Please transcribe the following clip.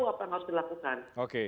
itu tahu apa yang harus dilakukan